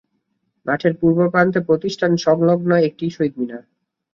মাঠের পূর্ব প্রান্তে প্রতিষ্ঠান সংলগ্ন একটি শহীদ মিনার।